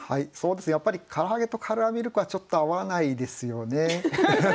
やっぱり唐揚げとカルアミルクはちょっと合わないですよね。